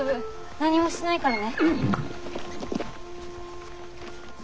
何もしないからね。